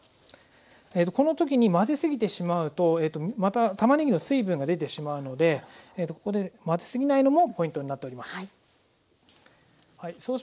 この時に混ぜすぎてしまうとまたたまねぎの水分が出てしまうのでここで混ぜすぎないのもポイントになっております。